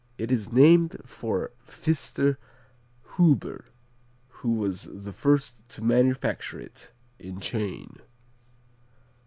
It is named for Pfister Huber who was the first to manufacture it, in Chain.